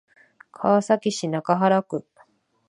川崎市中原区